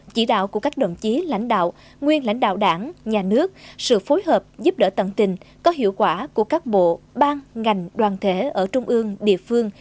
chỉ đạo của các đồng chí lãnh đạo nguyên lãnh đạo đảng nhà nước sự phối hợp giúp đỡ tận tình có hiệu quả của các bộ ban ngành đoàn thể ở trung ương địa phương